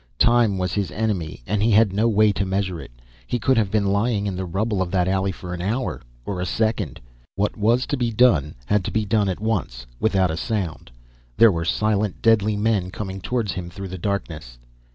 Time was his enemy and he had no way to measure it. He could have been lying in the rubble of that alley for an hour or a second. What was to be done, had to be done at once without a sound. There were silent, deadly men coming towards him through the darkness.